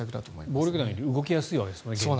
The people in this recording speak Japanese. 暴力団より動きやすいわけですからね現状。